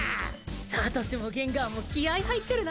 サトシもゲンガーも気合い入ってるな。